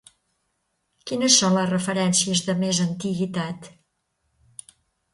Quines són les referències de més antiguitat?